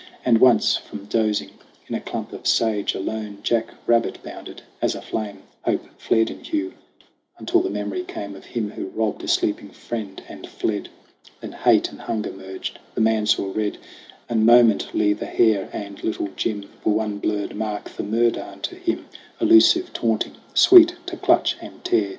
And once, from dozing in a clump of sage, A lone jackrabbit bounded. As a flame Hope flared in Hugh, until the memory came Of him who robbed a sleeping friend and fled. Then hate and hunger merged ; the man saw red, And momently the hare and Little Jim Were one blurred mark for murder unto him Elusive, taunting, sweet to clutch and tear.